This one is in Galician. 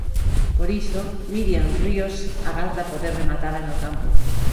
Por iso Míriam Ríos agarda poder rematala no campo.